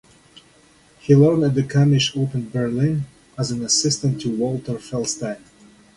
He learned at the Komische Oper Berlin as an assistant to Walter Felsenstein.